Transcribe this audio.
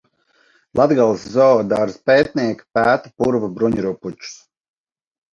Latgales zoodārza pētnieki pēta purva bruņurupučus.